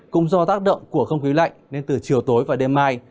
cũng do tác động của không khí lạnh nên từ chiều tối và đêm mai